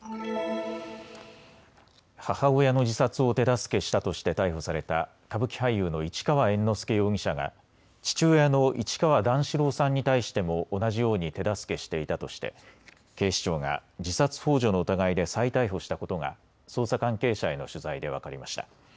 母親の自殺を手助けしたとして逮捕された歌舞伎俳優の市川猿之助容疑者が父親の市川段四郎さんに対しても同じように手助けしていたとして警視庁が自殺ほう助の疑いで再逮捕したことが捜査関係者への取材で分かりました。